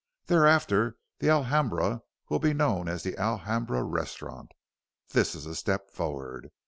Thereafter the Alhambra will be known as the Alhambra Restaurant. This is a step forward.